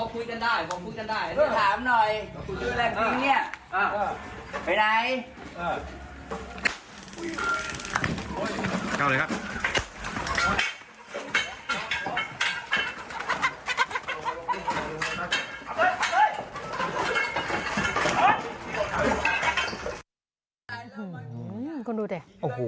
หืมลองดูสิ